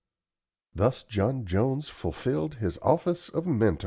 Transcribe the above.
Thus John Jones fulfilled his office of mentor.